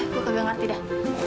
mulai bakal indah